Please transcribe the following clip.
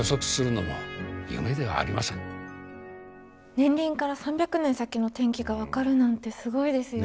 年輪から３００年先の天気が分かるなんてすごいですよね。